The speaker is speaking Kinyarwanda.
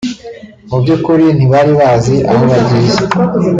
mu by’ukuri ntibari bazi aho bagiye